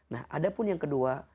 nah ada pun yang kedua